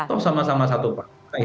toh sama sama satu pak